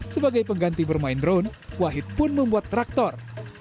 sebagai pengganti bermain drone wahid pun membuat traktor